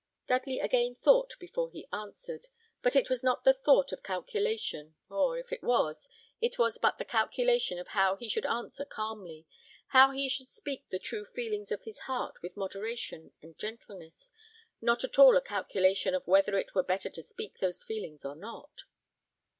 Dudley again thought before he answered; but it was not the thought of calculation, or if it was, it was but the calculation of how he should answer calmly; how he should speak the true feelings of his heart with moderation and gentleness: not at all a calculation of whether it were better to speak those feelings or not.